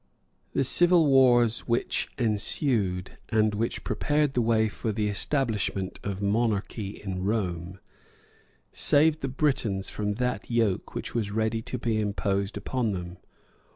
The civil wars which ensued, and which prepared the way for the establishment of monarchy in Rome, saved the Britons from that yoke which was ready to be imposed upon them.